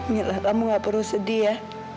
mila kamu gak perlu sedih ya